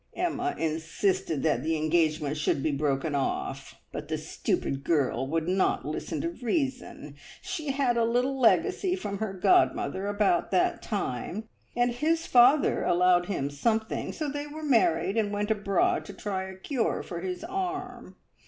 "Emma insisted that the engagement should be broken off, but the stupid girl would not listen to reason. She had a little legacy from her godmother about that time, and his father allowed him something, so they were married, and went abroad to try a cure for his arm.